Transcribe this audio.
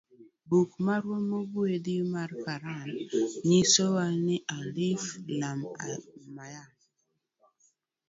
Buk marwa mogwedhi mar koran nyisowa ni ; 'Alif Lam Mym'.